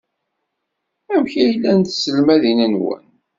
Amek ay llant tselmadin-nwent?